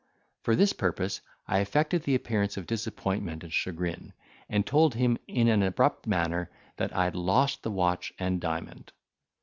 For this purpose, I affected the appearance of disappointment and chagrin, and told him in an abrupt manner that I had lost the watch and diamond.